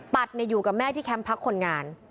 ปัดเนี่ยอยู่กับแม่ที่แคมป์พักคนงาน